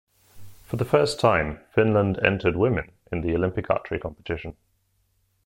For the first time, Finland entered women in the Olympic archery competition.